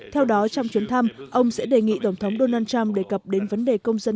theo đó trong chuyến thăm ông sẽ đề nghị tổng thống donald trump đề cập đến vấn đề công dân